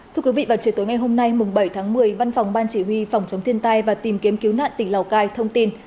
thưa quý vị vào chiều tối ngày hôm nay bảy tháng một mươi văn phòng ban chỉ huy phòng chống thiên tai và tìm kiếm cứu nạn tỉnh lào cai thông tin